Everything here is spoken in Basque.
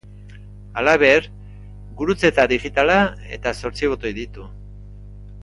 Halaber, gurutzeta digitala eta zortzi botoi ditu.